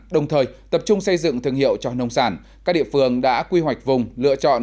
đồng thời tập trung xây dựng thương hiệu cho nông sản các địa phương đã quy hoạch vùng lựa chọn